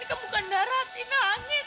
ini kan bukan darat ini angin